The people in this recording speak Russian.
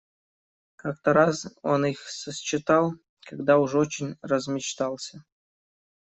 Как-то раз он их сосчитал, когда уж очень размечтался.